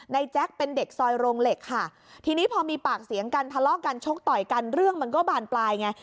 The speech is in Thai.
แจ๊คเป็นเด็กซอยโรงเหล็กค่ะทีนี้พอมีปากเสียงกันทะเลาะกันชกต่อยกันเรื่องมันก็บานปลายไง